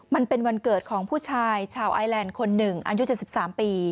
มันเป็นวันเกิดของผู้ชายชาวไอแลนด์คนหนึ่งอายุ๗๓ปี